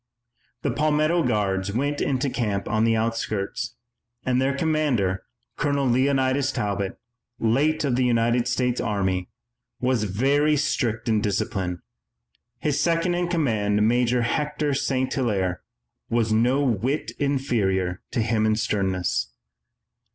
The Palmetto Guards went into camp on the outskirts, and their commander, Colonel Leonidas Talbot, late of the United States Army, was very strict in discipline. His second in command, Major Hector St. Hilaire, was no whit inferior to him in sternness.